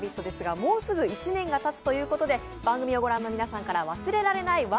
ですが、もうすぐ１年がたつということで、番組のを御覧の皆さんから忘れられない